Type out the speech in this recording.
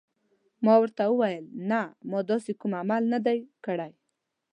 ما ورته وویل: نه، ما داسې کوم عمل نه دی کړی.